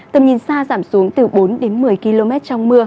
tầm nhìn xa giảm xuống từ bốn đến một mươi km trong mưa